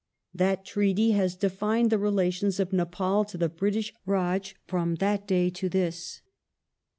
That treaty has defined the relations of Nepal to the British Rdj from that day to this.